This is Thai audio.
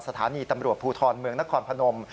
สถานีตำรวจภูทรเมืองนครพนม